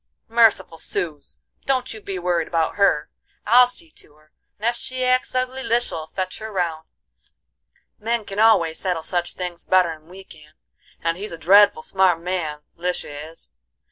"Merciful, suz! don't you be worried about her. I'll see to her, and ef she acts ugly Lisha'll fetch her round; men can always settle such things better'n we can, and he's a dreadful smart man Lisha is.